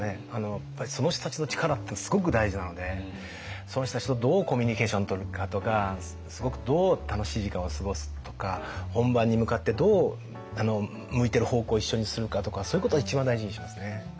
やっぱりその人たちの力ってすごく大事なのでその人たちとどうコミュニケーションとるかとかどう楽しい時間を過ごすとか本番に向かってどう向いてる方向を一緒にするかとかそういうことは一番大事にしますね。